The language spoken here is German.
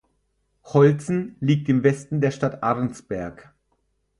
Holzen liegt im Westen der Stadt Arnsberg.